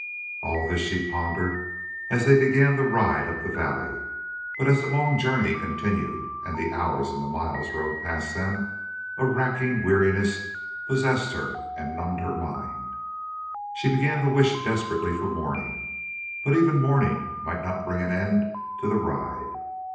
All this she pondered as they began the ride up the valley, but as the long journey continued, and the hours and the miles rolled past them, a racking weariness possessed her and numbed her mind. She began to wish desperately for morning, but even morning might not bring an end to the ride.